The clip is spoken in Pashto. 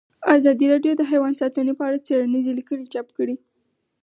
ازادي راډیو د حیوان ساتنه په اړه څېړنیزې لیکنې چاپ کړي.